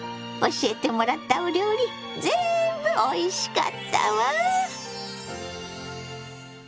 教えてもらったお料理ぜんぶおいしかったわ！